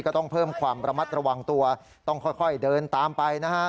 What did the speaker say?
ก็ต้องเพิ่มความระมัดระวังตัวต้องค่อยเดินตามไปนะฮะ